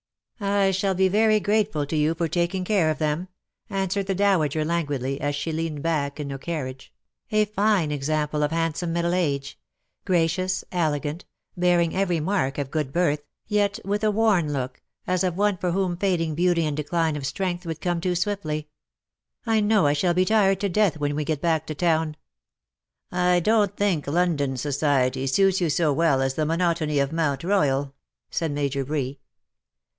" I shall be very grateful to you for taking care of them/^ answered the dowager languidly, as she 212 CUPID AND PSYCHE. leant back in her carriage — a fine example of hand some middle age : gracious, elegant, bearing every mark of good birth, yet with a worn look, as of one for whom fading beauty and decline of strength would come too swiftly. " I know I shall be tired to death when we get back to town." " I don^t think London society suits you so well as the monotony of Mount Royal," said Major Bree.